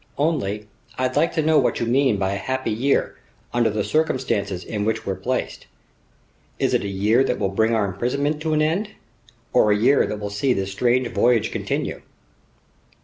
Only, I'd like to know what you mean by a 'happy year' under the circumstances in which we're placed. Is it a year that will bring our imprisonment to an end, or a year that will see this strange voyage continue?"